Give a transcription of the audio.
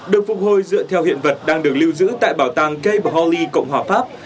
được phục hồi dựa theo hiện vật đang được lưu giữ tại bảo tàng cape holly cộng hòa pháp